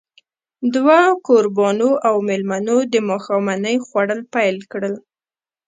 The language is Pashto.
دوه کوربانو او مېلمنو د ماښامنۍ خوړل پيل کړل.